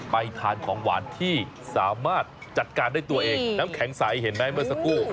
ไปทานของหวานที่สามารถจัดการได้ตัวเองน้ำแข็งใสเห็นไหมเมื่อสักครู่